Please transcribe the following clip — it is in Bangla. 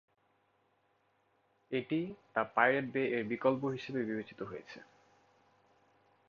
এটি দ্য পাইরেট বে এর বিকল্প হিসেবে বিবেচিত হয়েছে।